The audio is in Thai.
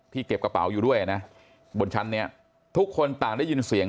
เก็บกระเป๋าอยู่ด้วยนะบนชั้นนี้ทุกคนต่างได้ยินเสียง